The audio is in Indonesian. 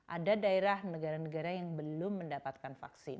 ada daerah negara negara yang belum mendapatkan vaksin